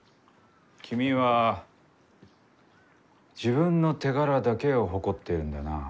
君は自分の手柄だけを誇っているんだな。